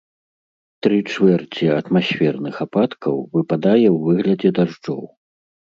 Тры чвэрці атмасферных ападкаў выпадае ў выглядзе дажджоў.